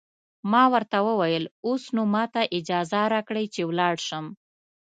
ما ورته وویل: اوس نو ماته اجازه راکړئ چې ولاړ شم.